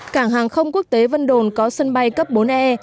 cảng hàng không quốc tế vân đồn có sân bay cấp bốn e